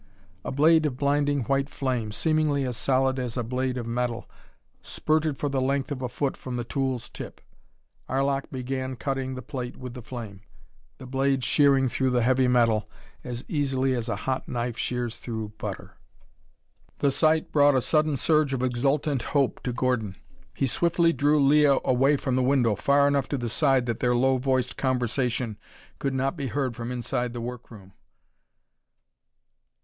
A blade of blinding white flame, seemingly as solid as a blade of metal, spurted for the length of a foot from the tool's tip. Arlok began cutting the plate with the flame, the blade shearing through the heavy metal as easily as a hot knife shears through butter. The sight brought a sudden surge of exultant hope to Gordon. He swiftly drew Leah away from the window, far enough to the side that their low voiced conversation could not be heard from inside the work room.